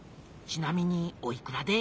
ちなみにおいくらで？